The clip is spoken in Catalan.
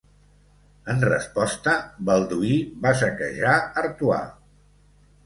En resposta, Balduí va saquejar Artois.